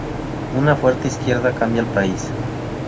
Una fuerte izquierda cambia al país".